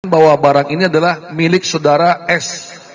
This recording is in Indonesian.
bahwa barang ini adalah milik saudara s